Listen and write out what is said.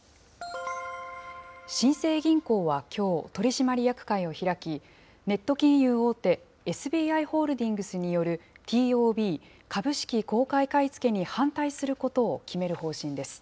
新生銀行はきょう、取締役会を開き、ネット金融大手、ＳＢＩホールディングスによるＴＯＢ・株式公開買い付けに反対することを決める方針です。